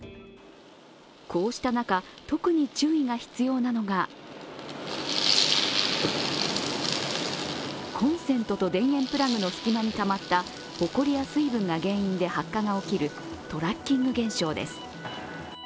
こうした中、特に注意が必要なのがコンセントと電源プラグの隙間にたまった、ほこりや水分が原因で発火が起きるトラッキング現象です。